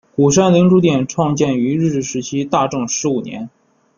鼓山珠灵殿创建于日治时期大正十五年。